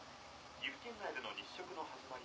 「岐阜県内での日食の始まりは」